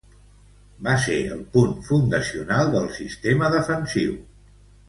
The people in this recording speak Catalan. Va ser el punt fundacional del sistema defensiu.